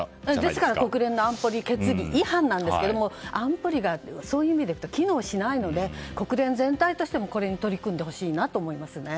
ですから国連安保理決議への違反なんですが、安保理がそういう意味では機能しないので国連全体としても、これに取り組んでほしいと思いますね。